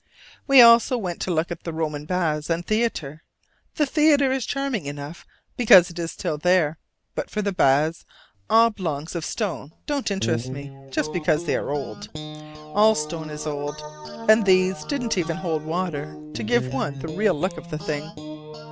We also went to look at the Roman baths and theater: the theater is charming enough, because it is still there: but for the baths oblongs of stone don't interest me just because they are old. All stone is old: and these didn't even hold water to give one the real look of the thing.